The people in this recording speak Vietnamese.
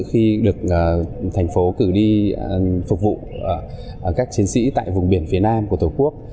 khi được thành phố cử đi phục vụ các chiến sĩ tại vùng biển phía nam của tổ quốc